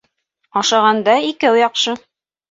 Ашағанда икәү яҡшы